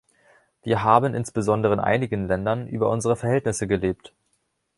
Wir haben, insbesondere in einigen Ländern, über unsere Verhältnisse gelebt.